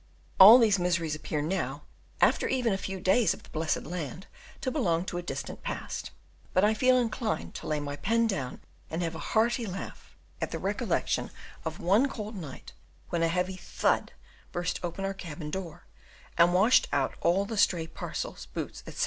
All these miseries appear now, after even a few days of the blessed land, to belong to a distant past; but I feel inclined to lay my pen down and have a hearty laugh at the recollection of one cold night, when a heavy "thud" burst open our cabin door, and washed out all the stray parcels, boots, etc.